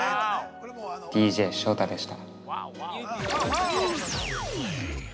ＤＪ ショウタでした。